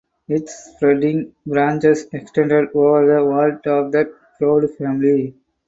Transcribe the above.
Its spreading branches extended over the vault of that proud family.